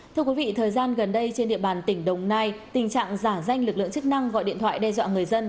thưa quý vị thời gian gần đây trên địa bàn tỉnh đồng nai tình trạng giả danh lực lượng chức năng gọi điện thoại đe dọa người dân